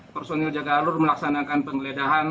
personil jaga alur melaksanakan penggeledahan